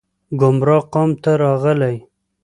ګمراه قوم ته راغلي